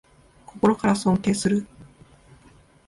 心から尊敬する